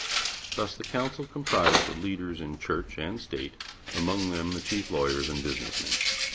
Thus the Council comprised the leaders in Church and State, among them the chief lawyers and business men.